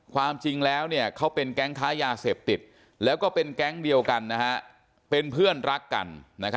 ความจริงแล้วเขาเป็นแก๊งค้ายาเสพติดแล้วก็เป็นแก๊งเดียวกันเป็นเพื่อนรักกัน